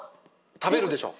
食べるでしょ。